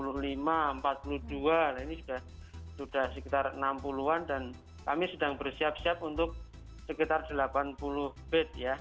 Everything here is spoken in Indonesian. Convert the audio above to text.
nah ini sudah sekitar enam puluh an dan kami sedang bersiap siap untuk sekitar delapan puluh bed ya